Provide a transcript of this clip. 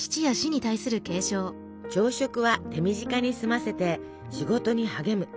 朝食は手短に済ませて仕事に励む。